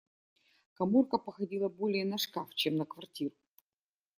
Каморка походила более на шкаф, чем на квартиру.